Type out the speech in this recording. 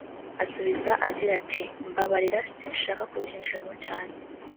asubiza agira ati “Mbabarira sinshaka kubyinjiramo cyane